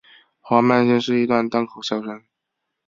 黄半仙是一段单口相声。